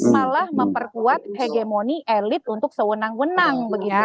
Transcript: malah memperkuat hegemoni elit untuk sewenang wenang